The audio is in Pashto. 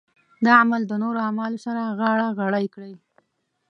دا عمل د نورو اعمالو سره غاړه غړۍ کړي.